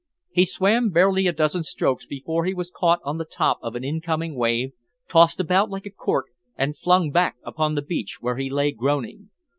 He swam barely a dozen strokes before he was caught on the top of an incoming wave, tossed about like a cork and flung back upon the beach, where he lay groaning.